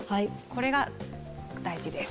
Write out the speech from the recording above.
これが大事です。